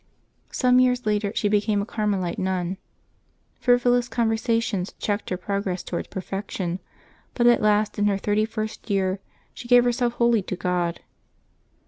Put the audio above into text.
Some years later she became a Carmelite nun. Frivolous conversa tions checked her progress towards perfection, but at last, in her thirty first year, she gave herself wholly to God.